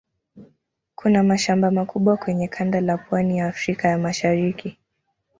Kuna mashamba makubwa kwenye kanda la pwani ya Afrika ya Mashariki.